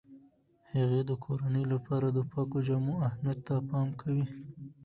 هغې د کورنۍ لپاره د پاکو جامو اهمیت ته پام کوي.